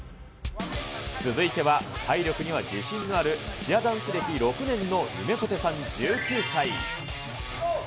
続いては、体力には自信のある、チアダンス歴６年のゆめぽてさん１９歳。